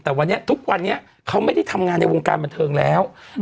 แต่วันนี้ทุกวันนี้เขาไม่ได้ทำงานในวงการบันเทิงแล้ว